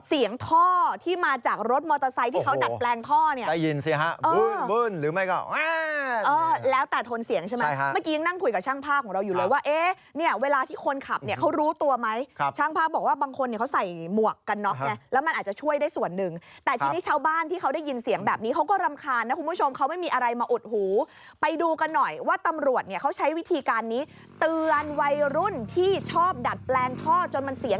เสียงท่อที่มาจากรถมอเตอร์ไซต์ที่เขาตัดแปลงท่อเนี่ย